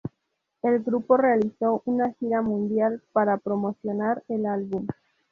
El grupo realizó una gira mundial para promocionar el álbum.